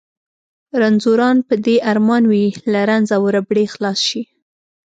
رنځوران په دې ارمان وي له رنځ او ربړې خلاص شي.